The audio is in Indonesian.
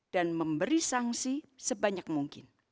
dan memberi sanksi sebanyak mungkin